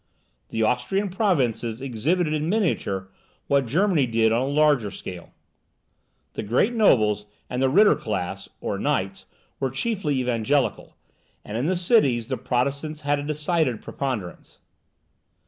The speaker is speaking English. The Austrian provinces exhibited in miniature what Germany did on a larger scale. The great nobles and the ritter class or knights were chiefly evangelical, and in the cities the Protestants had a decided preponderance.